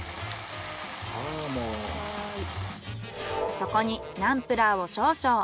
そこにナンプラーを少々。